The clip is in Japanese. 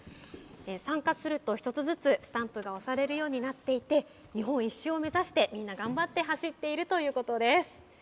参加すると１つずつスタンプが押されるようになっていて、日本１周を目指してみんな頑張って走っているということです。